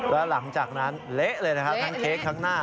แล้วหลังจากนั้นเละเลยนะครับทั้งเค้กทั้งหน้า